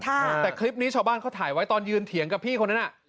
แต่คลิปนี้ชาวบ้านเขาถ่ายไว้ตอนยืนเถียงกับพี่คนนั้นน่ะ